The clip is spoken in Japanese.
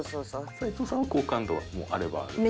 齊藤さんは好感度はもうあればあるだけ。